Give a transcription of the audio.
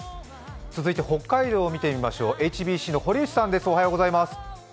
続いて北海道を見てみましょう、ＨＢＣの堀内さんです。